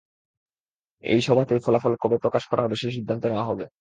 এই সভাতেই ফলাফল কবে প্রকাশ করা হবে, সেই সিদ্ধান্ত নেওয়া হবে।